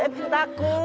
aduh aku takut